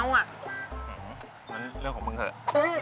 อื้อหือนั่นเรื่องของมึงเถอะ